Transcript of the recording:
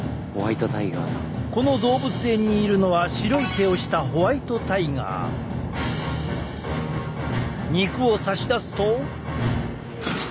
この動物園にいるのは白い毛をした肉を差し出すと見えた！